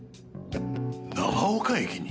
長岡駅に？